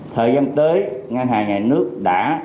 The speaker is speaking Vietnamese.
thời gian tới ngân hàng nhà nước đã